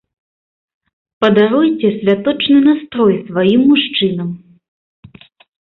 Падаруйце святочны настрой сваім мужчынам!